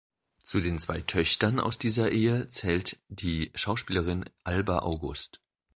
Zu den zwei Töchtern aus dieser Ehe zählt die Schauspielerin Alba August.